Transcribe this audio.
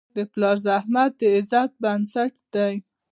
د پلار زحمت د عزت بنسټ دی.